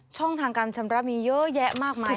ช่องทางการชำระมีเยอะแยะมากมาย